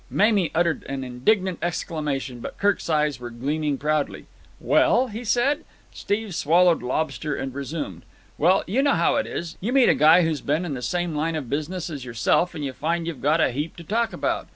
Mamie uttered an indignant exclamation, but Kirk's eyes were gleaming proudly. "Well?" he said. Steve swallowed lobster and resumed. "Well, you know how it is. You meet a guy who's been in the same line of business as yourself and you find you've got a heap to talk about.